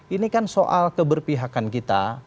ini kan soal keberpihakan kita